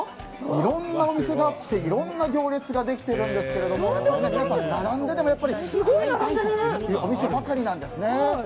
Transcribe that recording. いろんなお店があっていろんな行列ができているんですが皆さん、並んででも買いたいというお店ばかりなんですね。